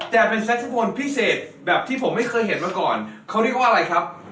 แต่เป็นเซตฟุตบอลพิเศษแบบที่ผมไม่เคยเห็นมาก่อนเขาเรียกว่าอะไรครับ